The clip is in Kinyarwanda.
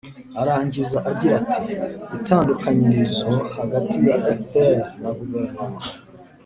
arangiza agira ati: itandukanyirizo hagati ya fpr na guverinoma